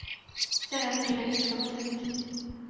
Sir আমি টিনাকে ছোটবেলা থেকে চিনি।